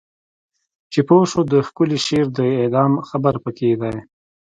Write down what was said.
چې پوه شو د ښکلی شعر د اعدام خبر پکې دی